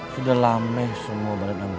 sudah lameh semua barat abang